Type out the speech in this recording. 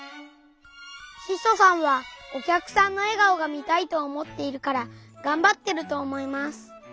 ししょさんはおきゃくさんのえがおが見たいと思っているからがんばってると思います。